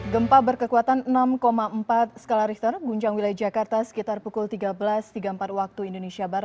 gempa berkekuatan enam empat skala richter guncang wilayah jakarta sekitar pukul tiga belas tiga puluh empat waktu indonesia barat